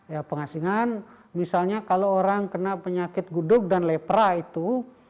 ya pengasingan misalnya kalau orang kena penyakit guduk dan lepra itu